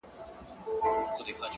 • کرونا نه ده توره بلا ده,